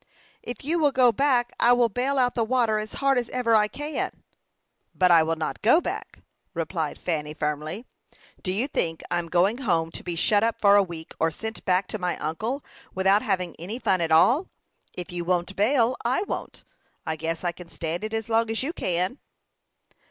"If you will go back, I will bale out the water as hard as ever I can." "But I will not go back," replied Fanny, firmly. "Do you think I am going home to be shut up for a week, or sent back to my uncle, without having any fun at all? If you won't bale, I won't. I guess I can stand it as long as you can."